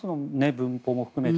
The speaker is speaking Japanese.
文法も含めて。